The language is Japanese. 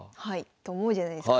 と思うじゃないですか。